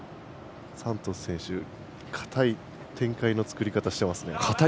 サントス選手硬い展開の作り方をしていますね。